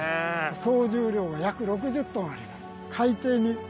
総重量が約６０ｔあります。